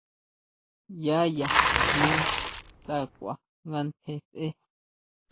Yá ya ma sakʼua nga tjen sʼe.